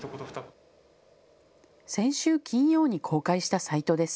先週金曜に公開したサイトです。